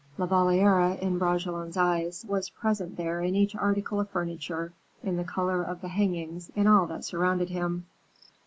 La Valliere, in Bragelonne's eyes, was present there in each article of furniture, in the color of the hangings, in all that surrounded him.